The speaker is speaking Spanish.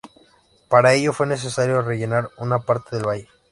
Para ello, fue necesario rellenar una parte del valle.